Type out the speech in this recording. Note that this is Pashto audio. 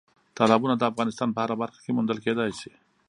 تالابونه د افغانستان په هره برخه کې موندل کېدای شي.